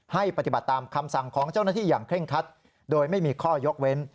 ปฏิบัติตามคำสั่งของเจ้าหน้าที่อย่างเคร่งคัดโดยไม่มีข้อยกเว้น